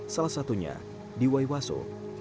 salah satunya di waiwaso